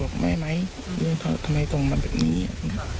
โดยจะคือชักมากไปเรื่อย